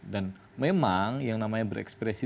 dan memang yang namanya berekspresi